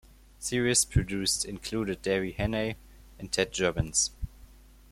Series producers included David Hannay and Ted Jobbins.